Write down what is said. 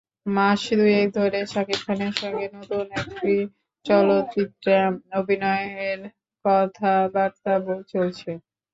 মাস দুয়েক ধরে শাকিব খানের সঙ্গে নতুন একটি চলচ্চিত্রে অভিনয়ের কথাবার্তা চলছে।